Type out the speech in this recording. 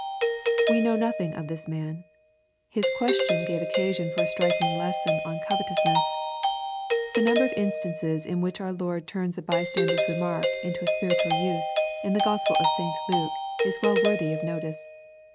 ] We know nothing of this man. His question gave occasion for a striking lesson on covetousness. The number of instances in which our Lord turns a bystander*a remark to a spiritual use, in the Gospel of St Luke, is well worthy of notice.